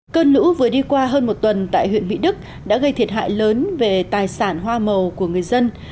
cơn lũ vừa đi qua hơn một tuần tại huyện mỹ đức đã gây thiệt hại lớn về tài sản hoa màu của người dân